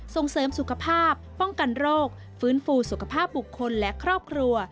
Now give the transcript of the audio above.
ส่งเสริมสุขภาพป้องกันโรคฟื้นฟูสุขภาพบุคคลและครอบครัว